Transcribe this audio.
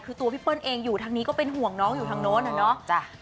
คือตัวพี่เปิ้ลเองอยู่ทางนี้ก็เป็นห่วงน้องอยู่ทางโน้นอะเนาะ